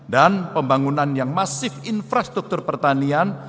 dan pembangunan yang masif infrastruktur pertanian